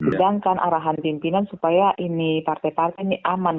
sedangkan arahan pimpinan supaya ini partai partai ini aman